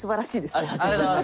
ありがとうございます。